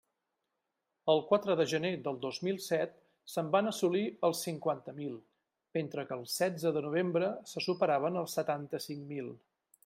El quatre de gener del dos mil set se'n van assolir els cinquanta mil, mentre que el setze de novembre se superaven els setanta-cinc mil.